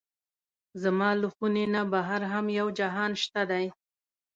زما له خونې نه بهر هم یو جهان شته دی.